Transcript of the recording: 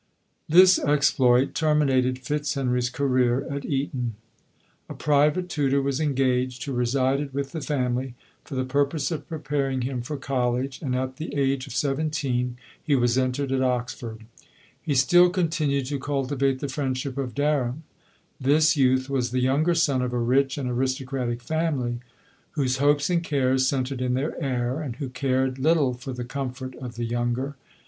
This exploit terminated Fitzhenry's career at Eton. A private tutor was engaged, who re sided with the family, for the purpose of pre paring him for college, and at the age of seventeen he was entered at Oxford. He still continued to cultivate the friendship of Der ham. This youth was the younger son of a rich and aristocratic family, whose hopes and cares centred in their heir, and who cared little for the comfort of the younger.